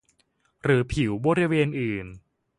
หรือผิวบริเวณอื่น